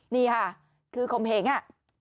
นี่ค่ะคือคมเพลงน่ะ